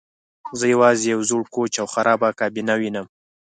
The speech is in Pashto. زه یوازې یو زوړ کوچ او خرابه کابینه وینم